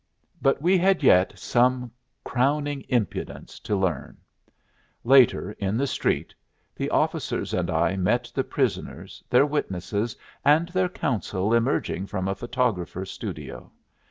But we had yet some crowning impudence to learn. Later, in the street, the officers and I met the prisoners, their witnesses, and their counsel emerging from a photographer's studio.